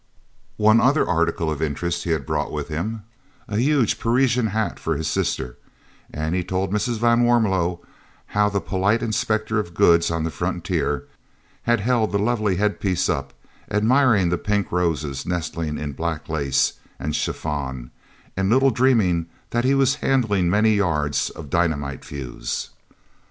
One other article of interest he had brought with him, a huge Parisian hat for his sister, and he told Mrs. van Warmelo how the polite inspector of goods on the frontier had held the lovely headpiece up, admiring the pink roses nestling in black lace and chiffon, and little dreaming that he was handling many yards of dynamite fuse.